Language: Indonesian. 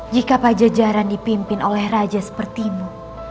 jika pajajaran dipimpin oleh raja seperti mu